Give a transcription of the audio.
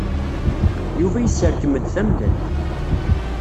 Yuba yesserkem-d tamellalt.